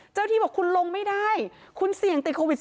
ที่บอกคุณลงไม่ได้คุณเสี่ยงติดโควิด๑๙